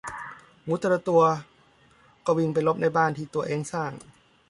หมูแต่ละตัวก็วิ่งไปหลบในบ้านที่ตัวเองสร้าง